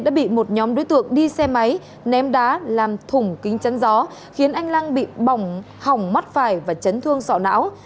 đã bị một nhóm đối tượng đi xe máy ném đá làm thủng kính chắn gió khiến anh lăng bị bỏng hỏng mắt phải và chấn thương sọ não